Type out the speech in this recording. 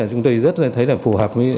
chúng tôi thấy rất là phù hợp với nông dân